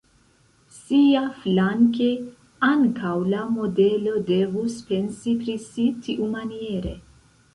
Siaflanke ankaŭ la modelo devus pensi pri si tiumaniere.